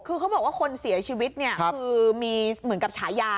คือเขาบอกว่าคนเสียชีวิตเนี่ยคือมีเหมือนกับฉายา